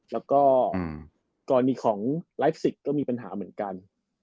แล้วก็กรณีของไลฟ์สิกก็มีปัญหาเหมือนกัน